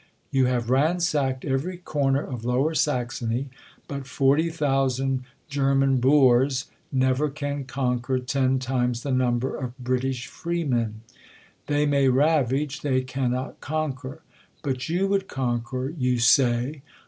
You have ransacked every corner of lower Saxony ; but forty thousand German boors never can conquer ten times the number of British freemen. They may ravage j they cannot conquer. But you would conquer, you say